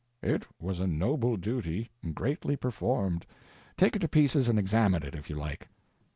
It was a noble duty, greatly performed. Take it to pieces and examine it, if you like.